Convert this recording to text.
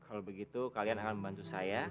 kalau begitu kalian akan membantu saya